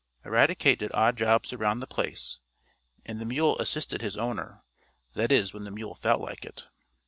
Eradicate did odd jobs around the place, and the mule assisted his owner that is when the mule felt like it.